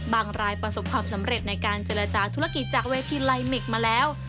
รายประสบความสำเร็จในการเจรจาธุรกิจจากเวทีไลเมคมาแล้ว